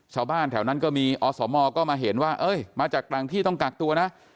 ชาวบ้านแถวนั้นก็มีอสมก็มาเห็นว่าเอ้ยมาจากต่างที่ต้องกักตัวนะ